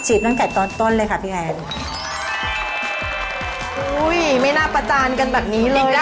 อีกด้านมีไม่ท้าใบต่องใบต่องอีกด้าน